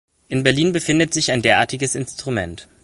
In Berlin befindet sich ein derartiges Instrument.